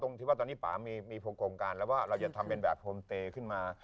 ที่ว่าตอนนี้ป่ามีโครงการแล้วว่าเราจะทำเป็นแบบโฮมเตย์ขึ้นมา